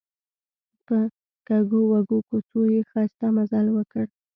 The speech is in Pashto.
په کږو وږو کوڅو یې ښایسته مزل وکړ.